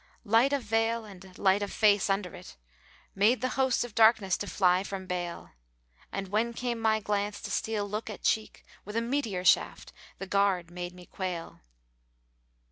Light of veil and light of face under it * Made the hosts of darkness to fly from bale; And, when came my glance to steal look at cheek. * With a meteor shaft the Guard made me quail."